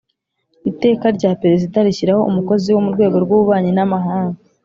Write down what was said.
Iteka rya Perezida rishyiraho umukozi wo mu rwego rw ububanyi n amahanga